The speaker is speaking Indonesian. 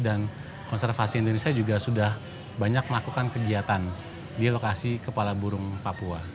konservasi indonesia juga sudah banyak melakukan kegiatan di lokasi kepala burung papua